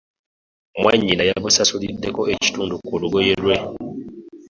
Mwanyina yamusasulideko ekitundu kulugoyelwe.